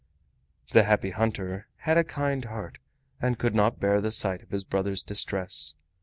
The Happy Hunter had a kind heart and could not bear the sight of his brother's distress.